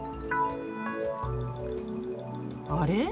あれ？